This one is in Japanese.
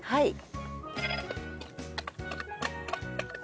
はい。